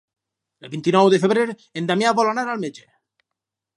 El vint-i-nou de febrer en Damià vol anar al metge.